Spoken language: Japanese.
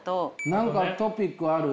なんかトピックある？